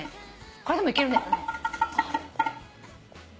これでもいけるね。